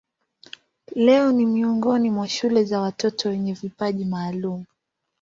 Leo ni miongoni mwa shule za watoto wenye vipaji maalumu.